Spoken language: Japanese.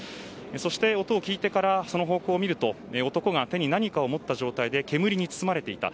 そして、音を聞いてからその方向を見ると男が手に何かを持った状態で煙に包まれていた。